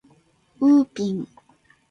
ウーピン